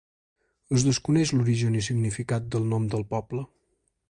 Es desconeix l'origen i significat del nom del poble.